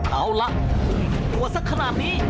เอาล่ะกลัวสักขนาดนี้